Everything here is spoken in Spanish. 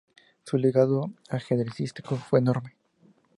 Su legado ajedrecístico fue enorme.